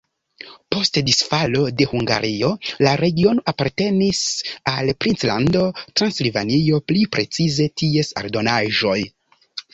Post disfalo de Hungario la regiono apartenis al princlando Transilvanio, pli precize ties aldonaĵoj.